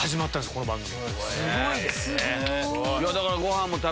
この番組。